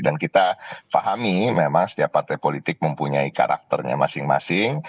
dan kita pahami memang setiap partai politik mempunyai karakternya masing masing